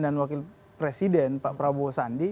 dan wakil presiden pak prabowo sandi